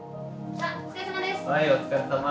はいお疲れさま。